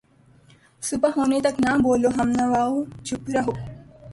صبح ہونے تک نہ بولو ہم نواؤ ، چُپ رہو